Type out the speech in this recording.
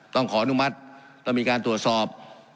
ต้องขออนุมัติต้องมีการตรวจสอบ